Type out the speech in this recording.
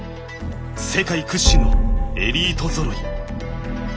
世界屈指のエリートぞろい。